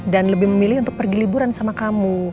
dan lebih memilih untuk pergi liburan sama kamu